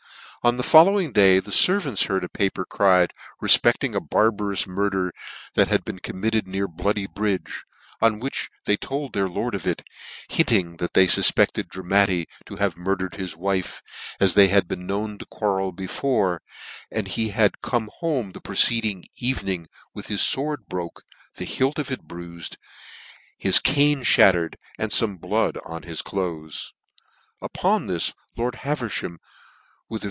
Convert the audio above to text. On the following day the fervants heard a pa per cried, refpedfting a barbarous murder that had been committed near Bloody bridge ; on which' they told their lord of it, hinting that they fuf peeled Dramatti to have murdered his wife, as they had been known to quarrel before, and he came home the preceding evening with his fword broke, the hilt of it bruifed, his cane mattered, and fome blood on his cloaths. Upon this lord Haverfham, with a.